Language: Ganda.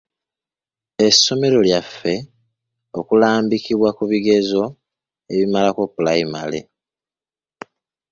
Essomero lyafunye okulambikibwa ku bigezo ebimalako pulayimale